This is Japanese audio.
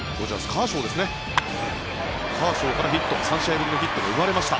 カーショウからヒット３試合ぶりのヒットが生まれました。